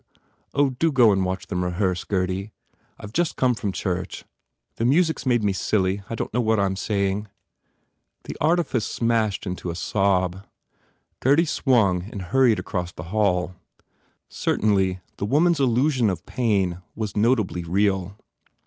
... Oh, do go and watch them rehearse, Gurdy! ... I ve just come from church. ... The music s made me silly. I don t know what I m saying. ..." The artifice smashed into a sob. Gurdy swung and hurried across the hall. Certainly, the woman s illusion of pain was notably real.